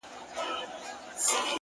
اخلاص د الفاظو ارزښت زیاتوي!